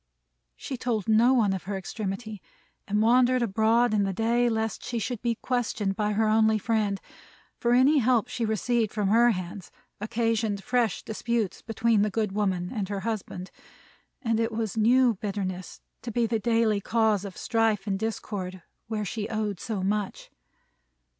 She told no one of her extremity, and wandered abroad in the day lest she should be questioned by her only friend: for any help she received from her hands, occasioned fresh disputes between the good woman and her husband; and it was new bitterness to be the daily cause of strife and discord, where she owed so much.